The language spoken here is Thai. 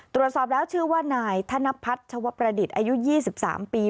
ตรวจสอบแล้วชื่อว่านายธนพัฒน์ชวประดิษฐ์อายุ๒๓ปี